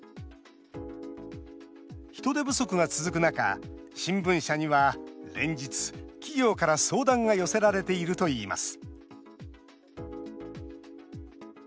人手不足が続く中新聞社には連日、企業から相談が寄せられているといいます